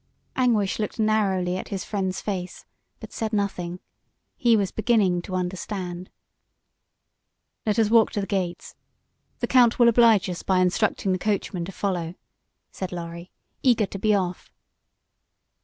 Anguish looked narrowly at his friend's face, but said nothing. He was beginning to understand. "Let us walk to the gates. The Count will oblige us by instructing the coachman to follow," said Lorry, eager to be off.